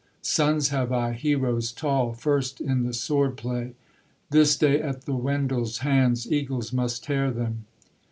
Sons have I, heroes tall, First in the sword play; This day at the Wendels' hands Eagles must tear them.